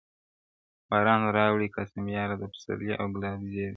باران راوړی قاسم یاره د سپرلي او ګلاب زېری,